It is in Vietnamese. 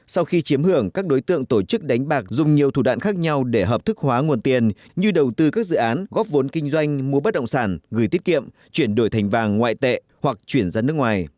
sau khi chiếm hưởng các đối tượng tổ chức đánh bạc dùng nhiều thủ đoạn khác nhau để hợp thức hóa nguồn tiền như đầu tư các dự án góp vốn kinh doanh mua bất động sản gửi tiết kiệm chuyển đổi thành vàng ngoại tệ hoặc chuyển ra nước ngoài